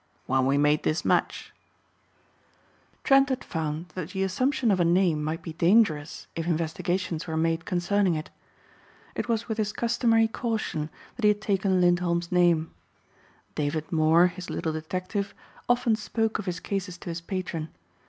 "When we made this match." Trent had found that the assumption of a name might be dangerous if investigations were made concerning it. It was with his customary caution that he had taken Lindholm's name. David Moor, his little detective, often spoke of his cases to his patron.